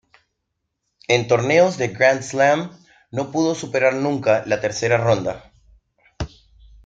En torneos de Grand Slam no pudo superar nunca la tercera ronda.